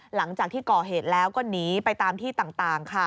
หลังจากที่ก่อเหตุแล้วก็หนีไปตามที่ต่างค่ะ